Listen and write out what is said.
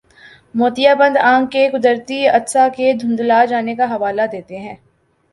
موتیابند آنکھ کے قدرتی عدسہ کے دھندلا جانے کا حوالہ دیتے ہیں